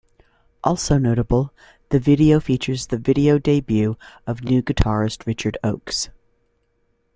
Also notable, the video features the video debut of new guitarist Richard Oakes.